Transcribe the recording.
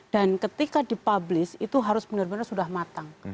dan ketika dipublish itu harus benar benar sudah matang